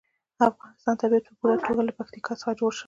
د افغانستان طبیعت په پوره توګه له پکتیکا څخه جوړ شوی دی.